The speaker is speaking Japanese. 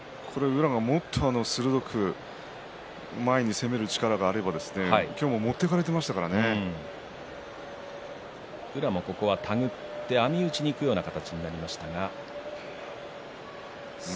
宇良がもっと鋭く前に攻める力があれば今日も持っていかれて宇良網打ちになるような形になりました。